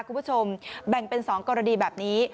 คุณผู้ชมแบ่งเป็นสองกรณีแบบนี้